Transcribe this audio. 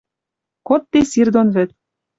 Кодде сир дон вӹд.